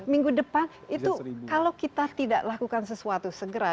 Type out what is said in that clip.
minggu depan itu kalau kita tidak lakukan sesuatu segera